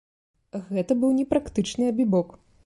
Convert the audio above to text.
Гэта быў непрактычны абібок.